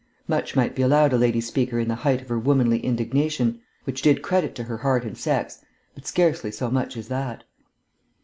Much might be allowed a lady speaker in the height of her womanly indignation, which did credit to her heart and sex, but scarcely so much as that.